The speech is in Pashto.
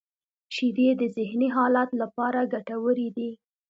• شیدې د ذهنی حالت لپاره ګټورې دي.